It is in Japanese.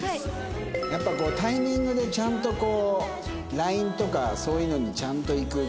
やっぱタイミングでちゃんとこうＬＩＮＥとかそういうのにちゃんといく。